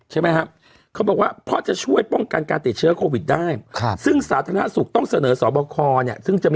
เขาบอกว่าเพราะจะช่วยป้องกันการติดเชื้อโควิดได้ซึ่งสาธารณสุทธิตต้องเสนอสอบคอน